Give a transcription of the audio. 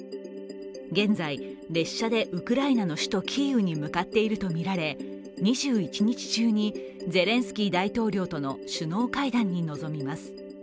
現在、列車でウクライナの首都キーウに向かっているとみられ、２１日中にゼレンスキー大統領との首脳会談に臨みます。